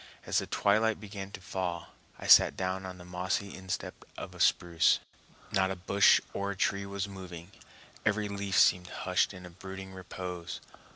As the twilight began to fall, I sat down on the mossy instep of a spruce. Not a bush or tree was moving; every leaf seemed hushed in brooding repose.